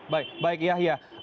baik baik yahya